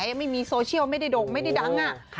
ยังไม่มีโซเชียลไม่ได้โด่งไม่ได้ดัง